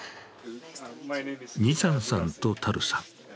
ニツァンさんとタルさん。